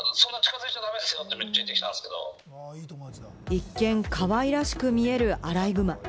一見、かわいらしく見えるアライグマ。